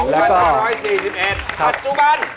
๒๕๔๑ปัจจุบัน